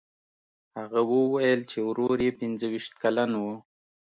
هغه وویل چې ورور یې پنځه ویشت کلن و.